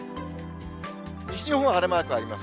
西日本は晴れマークがあります。